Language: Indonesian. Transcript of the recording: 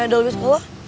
yang dia ngasih bunga